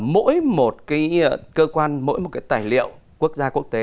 mỗi một cái cơ quan mỗi một cái tài liệu quốc gia quốc tế